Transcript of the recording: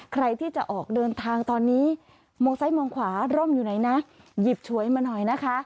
ใครที่จะออกเดินทางตอนนี้มองซ้ายมองขวาร่มอยู่ไหนนะหยิบฉวยมาหน่อยนะคะ